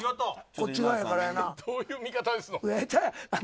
どういう見方ですの。